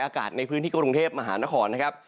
อากาศในพื้นที่กรุงเทพมหานครนะครับ